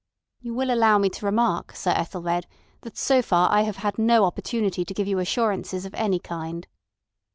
"You will allow me to remark, Sir Ethelred, that so far I have had no opportunity to give you assurances of any kind."